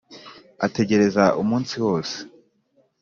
ategereza umunsi wose